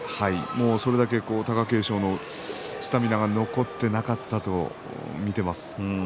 それだけ貴景勝のスタミナが残っていなかったと見ています。